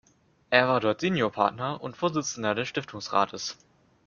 Er war dort Seniorpartner und Vorsitzender des Stiftungsrates.